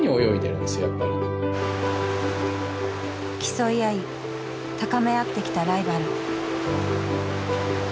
競い合い高め合ってきたライバル。